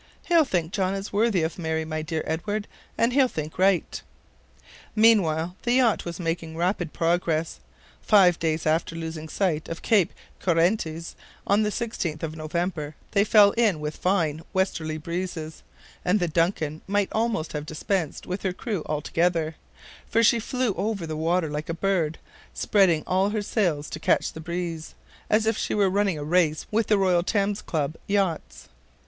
"He'll think John is worthy of Mary, my dear Edward, and he'll think right." Meanwhile, the yacht was making rapid progress. Five days after losing sight of Cape Corrientes, on the 16th of November, they fell in with fine westerly breezes, and the DUNCAN might almost have dispensed with her screw altogether, for she flew over the water like a bird, spreading all her sails to catch the breeze, as if she were running a race with the Royal Thames Club yachts.